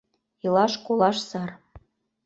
Илаш-колаш сар.